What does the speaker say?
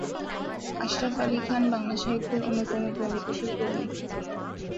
আশরাফ আলি খান বাংলা সাহিত্যের অন্যতম প্রগতিশীল কবি।